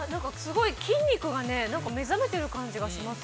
◆筋肉がね、なんか目覚めている感じがします。